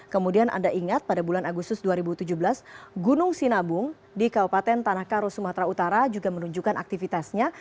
kemudian anda ingat pada bulan agustus dua ribu tujuh belas gunung sinabung di kabupaten tanah karo sumatera utara juga menunjukkan aktivitasnya